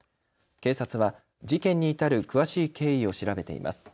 警察は事件に至る詳しい経緯を調べています。